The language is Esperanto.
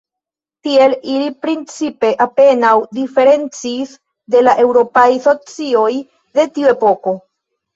Tiel, ili principe apenaŭ diferencis de la eŭropaj socioj de tiu epoko.